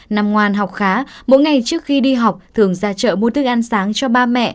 nằm ngoan học khá mỗi ngày trước khi đi học thường ra chợ mua thức ăn sáng cho ba mẹ